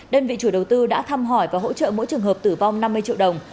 đơn vị chủ đầu tư đã thăm hỏi và hỗ trợ mỗi trường hợp tử vong năm mươi triệu đồng